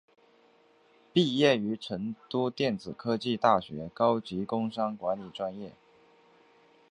毕业于成都电子科技大学高级工商管理专业。